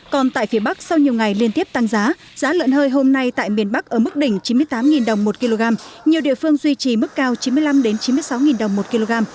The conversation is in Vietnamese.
còn tại phía bắc sau nhiều ngày liên tiếp tăng giá giá lợn hơi hôm nay tại miền bắc ở mức đỉnh chín mươi tám đồng một kg nhiều địa phương duy trì mức cao chín mươi năm chín mươi sáu đồng một kg